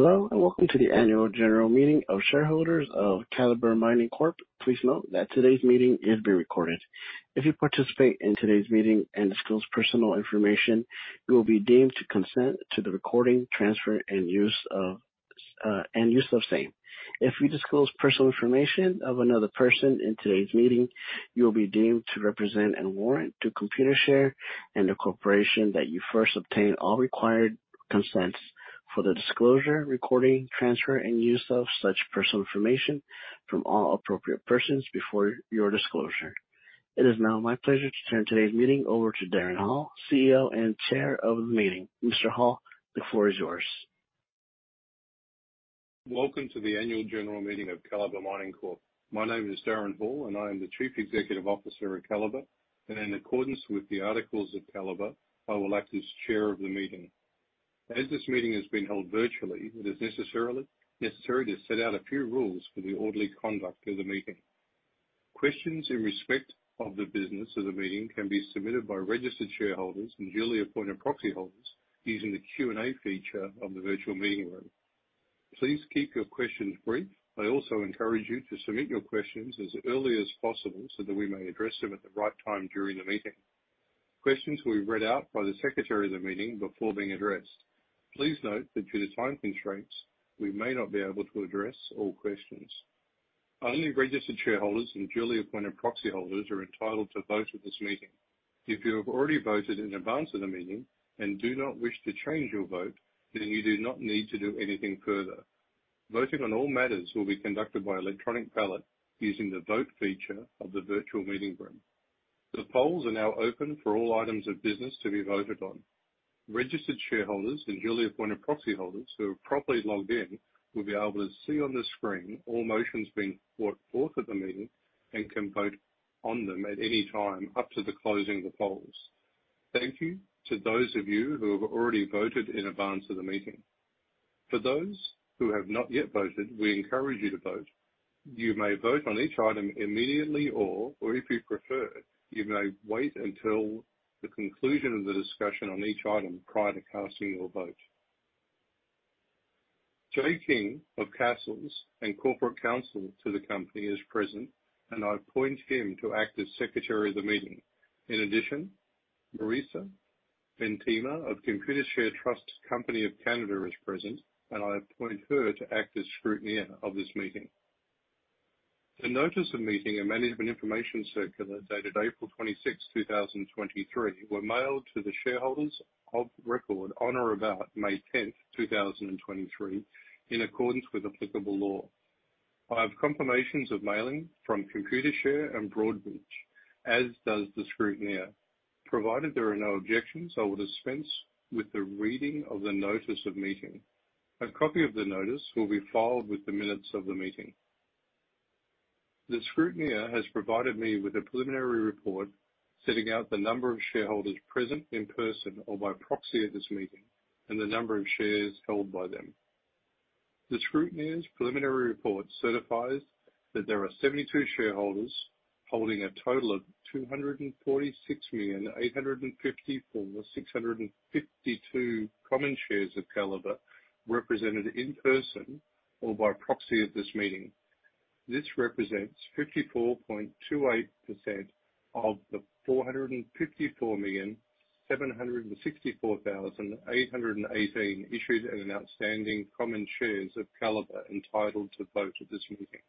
Hello, and welcome to the Annual General Meeting of Shareholders of Calibre Mining Corp. Please note that today's meeting is being recorded. If you participate in today's meeting and disclose personal information, you will be deemed to consent to the recording, transfer, and use of same. If you disclose personal information of another person in today's meeting, you will be deemed to represent and warrant to Computershare and the corporation that you first obtain all required consents for the disclosure, recording, transfer, and use of such personal information from all appropriate persons before your disclosure. It is now my pleasure to turn today's meeting over to Darren Hall, CEO and chair of the meeting. Mr. Hall, the floor is yours. Welcome to the Annual General Meeting of Calibre Mining Corp. My name is Darren Hall, and I am the Chief Executive Officer of Calibre. In accordance with the articles of Calibre, I will act as chair of the meeting. As this meeting has been held virtually, it is necessary to set out a few rules for the orderly conduct of the meeting. Questions in respect of the business of the meeting can be submitted by registered shareholders and duly appointed proxyholders using the Q&A feature of the virtual meeting room. Please keep your questions brief. I also encourage you to submit your questions as early as possible so that we may address them at the right time during the meeting. Questions will be read out by the secretary of the meeting before being addressed. Please note that due to time constraints, we may not be able to address all questions. Only registered shareholders and duly appointed proxyholders are entitled to vote at this meeting. If you have already voted in advance of the meeting and do not wish to change your vote, you do not need to do anything further. Voting on all matters will be conducted by electronic ballot using the vote feature of the virtual meeting room. The polls are now open for all items of business to be voted on. Registered shareholders and duly appointed proxyholders who have properly logged in will be able to see on the screen all motions being brought forth at the meeting and can vote on them at any time up to the closing of the polls. Thank you to those of you who have already voted in advance of the meeting. For those who have not yet voted, we encourage you to vote. You may vote on each item immediately or if you prefer, you may wait until the conclusion of the discussion on each item prior to casting your vote. Jay King of Cassels and corporate counsel to the company is present. I appoint him to act as Secretary of the meeting. In addition, Marisa Bentsman of Computershare Trust Company of Canada is present, and I appoint her to act as scrutineer of this meeting. The Notice of Meeting and Management Information Circular, dated April 26, 2023, were mailed to the shareholders of record on or about May 10, 2023, in accordance with applicable law. I have confirmations of mailing from Computershare and Broadridge, as does the scrutineer. Provided there are no objections, I will dispense with the reading of the notice of meeting. A copy of the notice will be filed with the minutes of the meeting. The scrutineer has provided me with a preliminary report setting out the number of shareholders present, in person or by proxy, at this meeting, and the number of shares held by them. The scrutineer's preliminary report certifies that there are 72 shareholders holding a total of 246,854,652 common shares of Calibre, represented in person or by proxy at this meeting. This represents 54.28% of the 454,764,818 issued and outstanding common shares of Calibre entitled to vote at this meeting.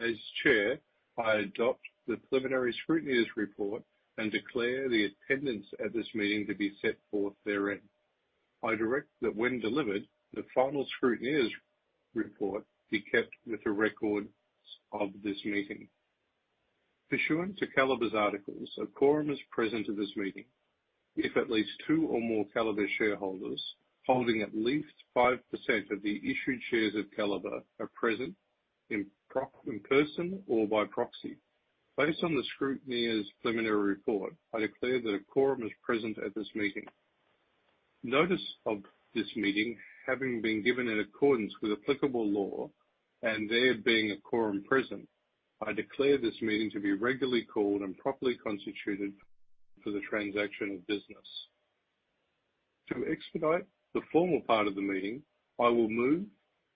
As Chair, I adopt the preliminary scrutineer's report and declare the attendance at this meeting to be set forth therein. I direct that when delivered, the final scrutineer's report be kept with the records of this meeting. Pursuant to Calibre's articles, a quorum is present at this meeting. If at least two or more Calibre shareholders, holding at least 5% of the issued shares of Calibre, are present in person or by proxy. Based on the scrutineer's preliminary report, I declare that a quorum is present at this meeting. Notice of this meeting, having been given in accordance with applicable law, and there being a quorum present, I declare this meeting to be regularly called and properly constituted for the transaction of business. To expedite the formal part of the meeting, I will move,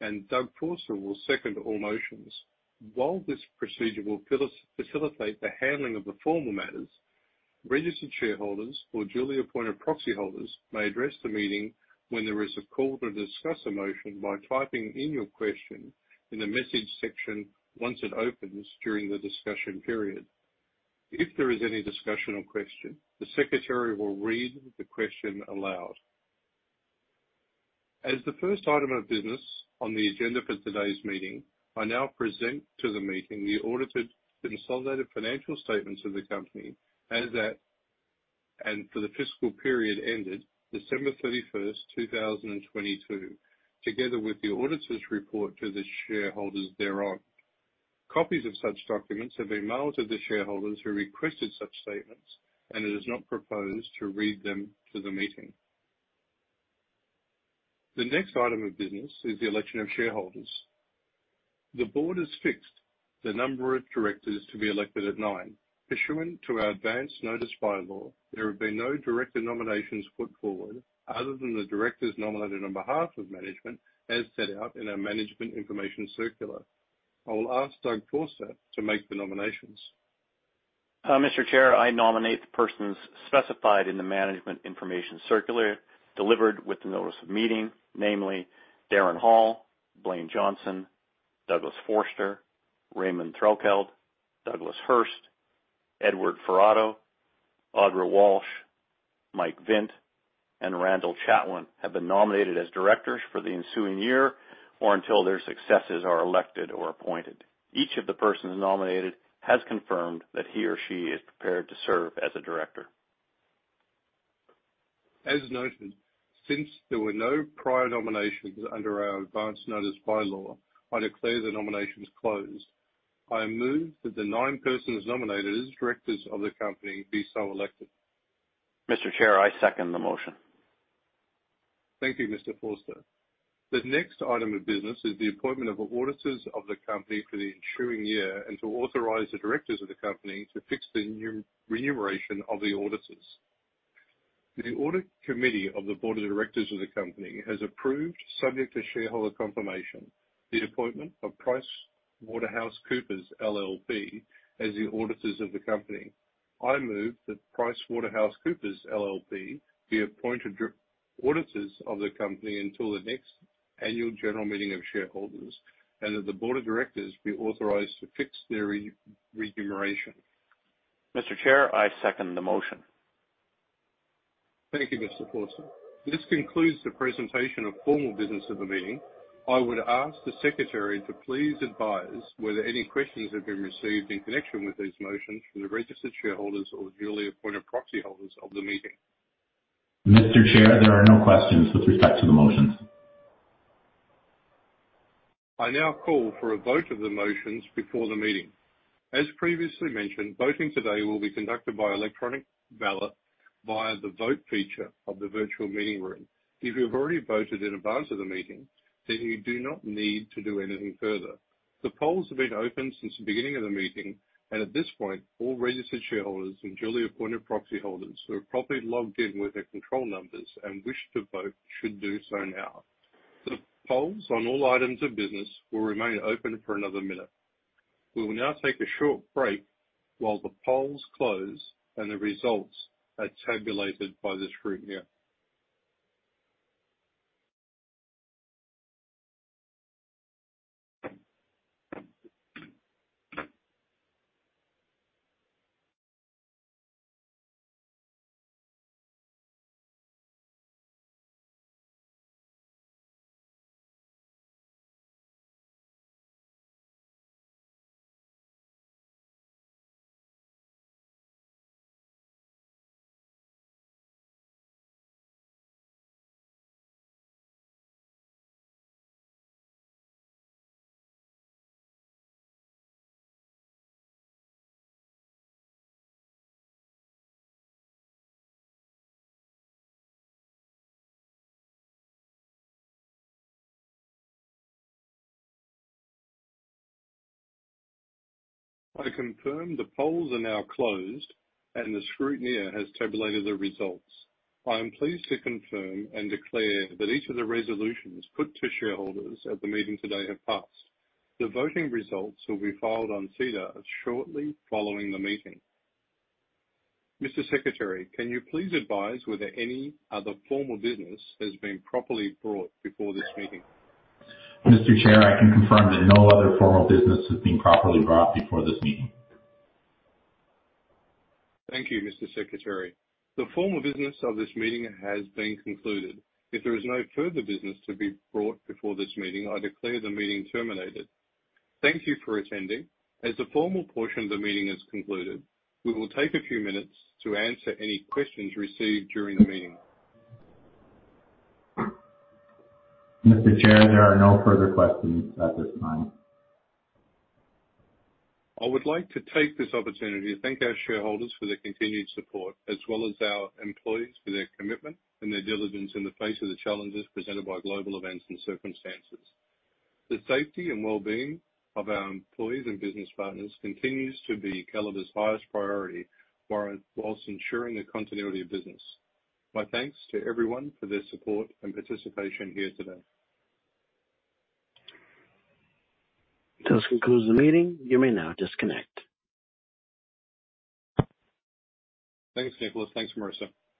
and Douglas Forster will second all motions. While this procedure will facilitate the handling of the formal matters, registered shareholders or duly appointed proxyholders may address the meeting when there is a call to discuss a motion by typing in your question in the message section once it opens during the discussion period. If there is any discussion or question, the secretary will read the question aloud. As the first item of business on the agenda for today's meeting, I now present to the meeting the audited consolidated financial statements of the company as at and for the fiscal period ended December 31st, 2022, together with the auditor's report to the shareholders thereon. Copies of such documents have been mailed to the shareholders who requested such statements, and it is not proposed to read them to the meeting. The next item of business is the election of shareholders. The board has fixed the number of directors to be elected at nine. Pursuant to our advance notice bylaw, there have been no director nominations put forward other than the directors nominated on behalf of management, as set out in our management information circular. I will ask Doug Forster to make the nominations. Mr. Chair, I nominate the persons specified in the management information circular, delivered with the notice of meeting, namely, Darren Hall, Blayne Johnson, Douglas Forster, Raymond Threlkeld, Douglas Hurst, Edward Farrauto, Audra Walsh, Mike Vint, and Randall Chatwin have been nominated as directors for the ensuing year or until their successors are elected or appointed. Each of the persons nominated has confirmed that he or she is prepared to serve as a director. As noted, since there were no prior nominations under our advance notice bylaw, I declare the nominations closed. I move that the nine persons nominated as directors of the company be so elected. Mr. Chair, I second the motion. Thank you, Mr. Forster. The next item of business is the appointment of auditors of the company for the ensuing year and to authorize the directors of the company to fix the remuneration of the auditors. The audit committee of the board of directors of the company has approved, subject to shareholder confirmation, the appointment of PricewaterhouseCoopers LLP, as the auditors of the company. I move that PricewaterhouseCoopers LLP, be appointed auditors of the company until the next annual general meeting of shareholders, and that the board of directors be authorized to fix their remuneration. Mr. Chair, I second the motion. Thank you, Mr. Forster. This concludes the presentation of formal business of the meeting. I would ask the secretary to please advise whether any questions have been received in connection with these motions from the registered shareholders or duly appointed proxy holders of the meeting. Mr. Chair, there are no questions with respect to the motions. I now call for a vote of the motions before the meeting. As previously mentioned, voting today will be conducted by electronic ballot via the Vote feature of the virtual meeting room. If you've already voted in advance of the meeting, then you do not need to do anything further. The polls have been open since the beginning of the meeting, and at this point, all registered shareholders and duly appointed proxy holders who are properly logged in with their control numbers and wish to vote, should do so now. The polls on all items of business will remain open for another minute. We will now take a short break while the polls close and the results are tabulated by the scrutineer. I confirm the polls are now closed, and the scrutineer has tabulated the results. I am pleased to confirm and declare that each of the resolutions put to shareholders at the meeting today have passed. The voting results will be filed on SEDAR shortly following the meeting. Mr. Secretary, can you please advise whether any other formal business has been properly brought before this meeting? Mr. Chair, I can confirm that no other formal business has been properly brought before this meeting. Thank you, Mr. Secretary. The formal business of this meeting has been concluded. If there is no further business to be brought before this meeting, I declare the meeting terminated. Thank you for attending. As the formal portion of the meeting is concluded, we will take a few minutes to answer any questions received during the meeting. Mr. Chair, there are no further questions at this time. I would like to take this opportunity to thank our shareholders for their continued support, as well as our employees for their commitment and their diligence in the face of the challenges presented by global events and circumstances. The safety and well-being of our employees and business partners continues to be Calibre's highest priority, while, whilst ensuring the continuity of business. My thanks to everyone for their support and participation here today. This concludes the meeting. You may now disconnect. Thanks, Nicholas. Thanks, Marisa.